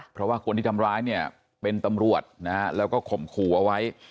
เพราะว่าคนที่ทำร้ายเนี่ยเป็นตำรวจนะฮะแล้วก็ข่มขู่เอาไว้